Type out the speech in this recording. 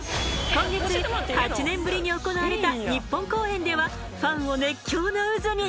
今月８年ぶりに行われた日本公演ではファンを熱狂の渦に！